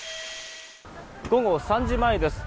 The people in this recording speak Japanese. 午後３時前です。